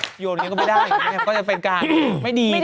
โยนอย่างนี้ก็ไม่ได้ก็จะเป็นการไม่ดี